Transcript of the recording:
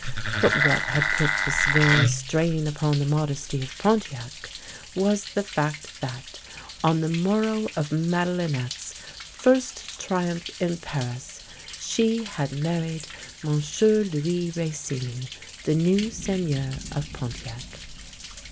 But what had put the severest strain upon the modesty of Pontiac was the fact that, on the morrow of Madelinette's first triumph in Paris, she had married M. Louis Racine, the new Seigneur of Pontiac.